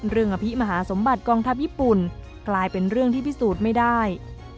อภิมหาสมบัติกองทัพญี่ปุ่นกลายเป็นเรื่องที่พิสูจน์ไม่ได้